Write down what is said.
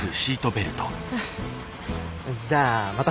じゃあまた！